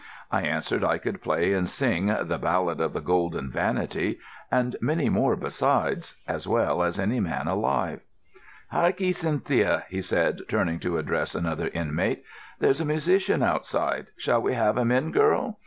I answered I could play and sing the "Ballad of the Golden Vanity" and many more besides, as well as any man alive. "Hark 'ee, Cynthia," he said, turning to address another inmate. "There's a musician outside. Shall we have him in, girl?